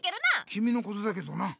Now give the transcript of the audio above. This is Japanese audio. きみのことだけどな。